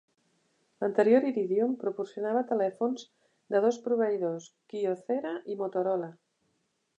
L'anterior Iridium proporcionava telèfons de dos proveïdors, Kyocera i Motorola.